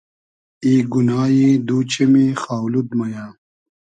ای گونایی دو چیمی خاو لود مۉ یۂ